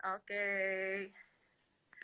terima kasih mas umar